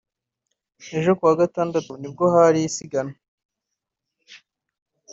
ejo (kuwa Gatandatu) nibwo hari isiganwa